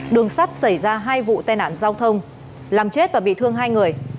đường sắt xảy ra hai vụ tai nạn giao thông làm chết và bị thương hai người